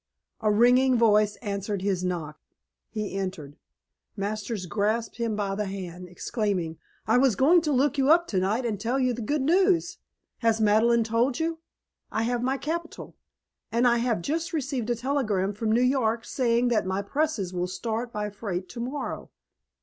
A ringing voice answered his knock. He entered. Masters grasped him by the hand, exclaiming, "I was going to look you up tonight and tell you the good news. Has Madeleine told you? I have my capital! And I have just received a telegram from New York saying that my presses will start by freight tomorrow.